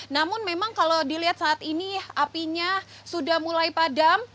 namun memang kalau dilihat saat ini apinya sudah mulai padam